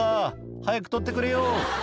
早く取ってくれよ」